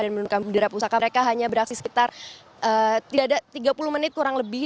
dan menurut kami bendera pusaka mereka hanya beraksi sekitar tiga puluh menit kurang lebih